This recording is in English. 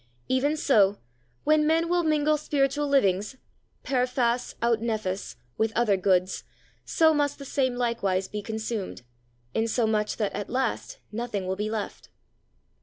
Even so, when men will mingle spiritual livings (per fas aut nefas) with other goods, so must the same likewise be consumed, insomuch that at last nothing will be left.